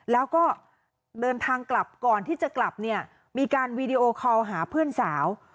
แล้วก็เดินทางกลับก่อนที่จะกลับเนี่ยมีการวีดีโอคอลหาเพื่อนสาว